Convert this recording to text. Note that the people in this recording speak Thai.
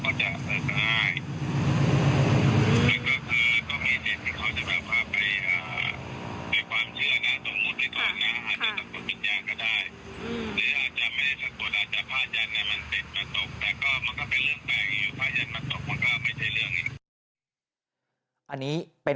หลังจากพบศพผู้หญิงปริศนาตายตรงนี้ครับ